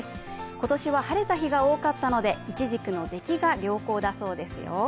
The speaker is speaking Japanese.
今年は晴れた日が多かったので、いちじくの出来が良好だそうですよ。